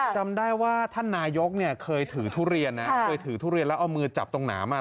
จำได้ว่าท่านนายกเคยถือทุเรียนแล้วเอามือจับตรงหนามา